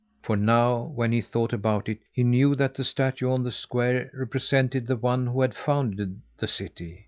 For now, when he thought about it, he knew that the statue on the square represented the one who had founded the city.